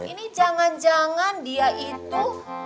ini jangan jangan dia itu